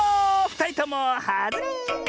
ふたりともはずれ。